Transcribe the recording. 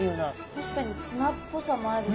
確かにツナっぽさもあるし。